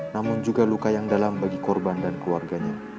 namun juga luka yang dalam bagi korban dan keluarganya